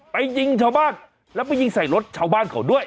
ยิงชาวบ้านแล้วไปยิงใส่รถชาวบ้านเขาด้วย